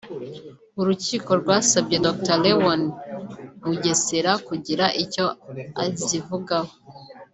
urukiko rwasabye Dr Léon Mugesera kugira icyo azivugaho